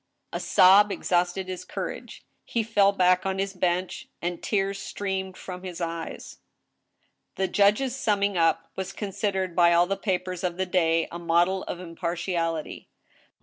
A sob exhausted his courage. He fell back on his bench, and tears streamed from his eyes. The judge's summing up was considered by all the papers of the day a model of impartiality.